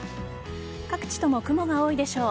各地とも雲が多いでしょう。